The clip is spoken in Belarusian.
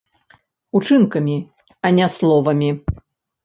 Учынкамі, а не словамі.